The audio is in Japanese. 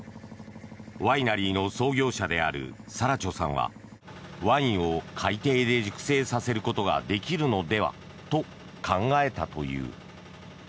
ワイナリーの創業者であるサラチョさんはワインを海底で熟成させることができるのではと考えたという。